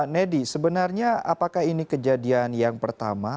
nedi sebenarnya apakah ini kejadian yang pertama